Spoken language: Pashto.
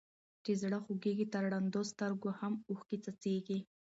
چي زړه خوږيږي تر ړندو سترګو هم اوښکي څڅيږي.